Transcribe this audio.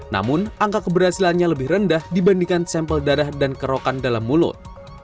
namun angka keberhasilannya lebih rendah dibandingkan sampel darah dan kerokan dalam mulut